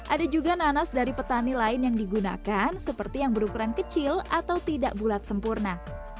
ada juga nanas dari petani lain yang digunakan seperti yang berukuran kecil atau tidak bulat sempurna